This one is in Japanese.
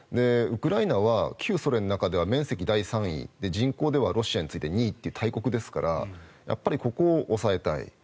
ウクライナは旧ソ連の中では面積第３位人口ではロシアに次いで２位という大国ですからやっぱりここを押さえたい。